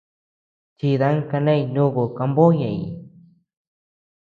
Chidan kaneñ nuku kambo ñeʼeñ.